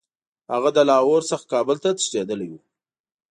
هغه له لاهور څخه کابل ته تښتېتدلی وو.